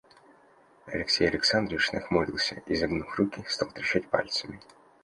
Алексей Александрович нахмурился и, загнув руки, стал трещать пальцами.